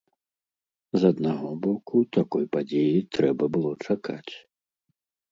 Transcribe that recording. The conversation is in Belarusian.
З аднаго боку, такой падзеі трэба было чакаць.